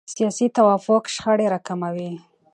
سیاسي توافق شخړې راکموي